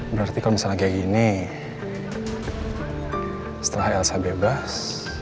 berarti kalau misalnya kayak gini setelah elsa bebas